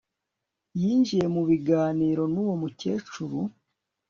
Yinjiye mu biganiro nuwo mukecuru